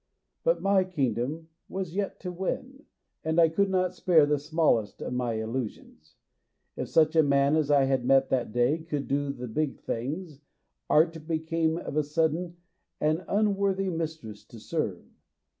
But my kingdom was yet to win, and I could not spare the smallest of my illusions. If such a man as I had met that day could do the big things, Art became of a sudden an un worthy mistress to serve.